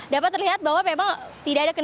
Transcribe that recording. dapat terlihat bahwa memang tidak ada kendala